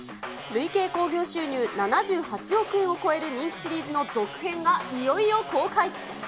累計興行収入７８億円を超える人気シリーズの続編がいよいよ公開。